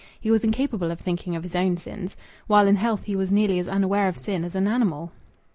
He was incapable of thinking of his own sins. While in health, he was nearly as unaware of sin as an animal.